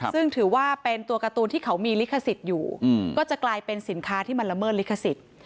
ซึ่งถือว่าเป็นตัวการ์ตูนที่เขามีลิขสิทธิ์อยู่ก็จะกลายเป็นสินค้าที่มันละเมิดลิขสิทธิ์